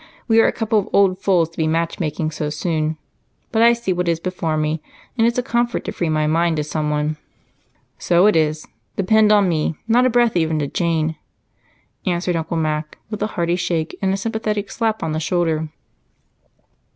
We are a couple of old fools to be matchmaking so soon but I see what is before me and it's a comfort to free my mind to someone." "So it is. Depend on me not a breath even to Jane," answered Uncle Mac, with a hearty shake and a sympathetic slap on the shoulder.